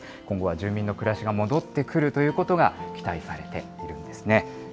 今後は住民の暮らしが戻ってくるということが、期待されているんですね。